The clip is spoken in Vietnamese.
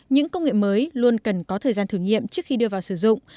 những công nghệ mới luôn cần có thời gian thử nghiệm trước khi đưa vào sử dụng